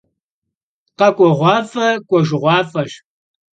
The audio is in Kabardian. Khek'ueğuaf'e k'uejjığuaf'eş.